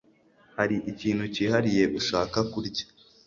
Hari ikintu cyihariye ushaka kurya